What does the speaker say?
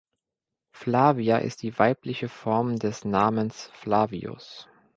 Flavia ist die weibliche Form des Namens Flavius.